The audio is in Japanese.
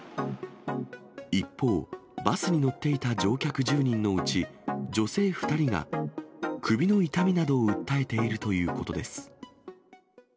一方、バスに乗っていた乗客１０人のうち、女性２人が首の痛みなどを訴えているということです。